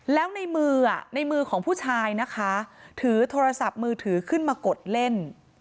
แล้วในมือในมือของผู้ชายนะคะถือโทรศัพท์มือถือขึ้นมากดเล่น